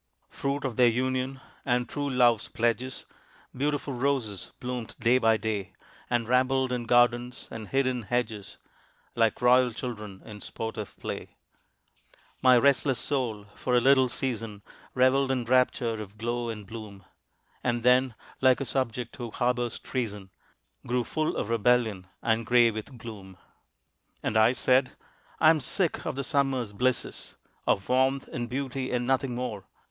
Fruit of their union and true love's pledges, Beautiful roses bloomed day by day, And rambled in gardens and hid in hedges Like royal children in sportive play. My restless soul for a little season Reveled in rapture of glow and bloom, And then, like a subject who harbors treason, Grew full of rebellion and gray with gloom. And I said, "I am sick of the Summer's blisses, Of warmth and beauty, and nothing more.